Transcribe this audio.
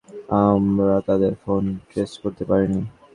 তারা মহারাষ্ট্রে পৌঁছানোর পর আমরা তাদের ফোন ট্রেস করতে পারিনি।